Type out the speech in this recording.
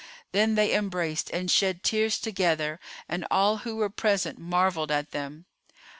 Then they embraced and shed tears together and all who were present marvelled at them.